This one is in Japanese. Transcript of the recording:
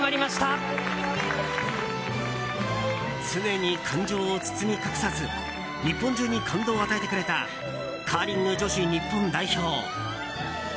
常に感情を包み隠さず日本中に感動を与えてくれたカーリング女子日本代表。